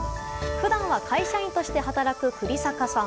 普段は会社員として働く栗坂さん。